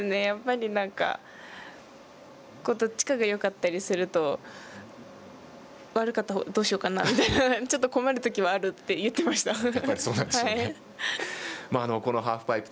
やっぱり、なんかどっちかがよかったりすると悪かったほうどうしようかなみたいなちょっと困るときはあるって言ってました。